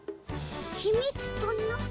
ひみつとな？